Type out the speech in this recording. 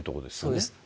そうです。